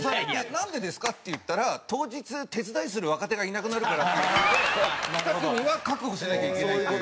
「なんでですか？」って言ったら「当日手伝いする若手がいなくなるから」っていう事でふた組は確保しなきゃいけないっていう。